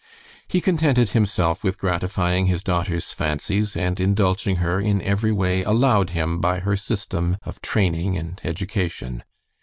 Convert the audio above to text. He contented himself with gratifying his daughter's fancies and indulging her in every way allowed him by her system of training and education.